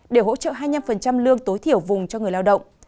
để hỗ trợ hai mươi năm lương tối thiểu vùng cho người lao động